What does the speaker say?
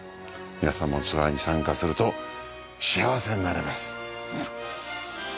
皆さんもツアーに参加すると幸せになれます。